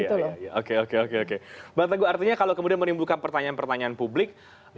oke oke oke bang teguh artinya kalau kemudian menimbulkan pertanyaan pertanyaan publik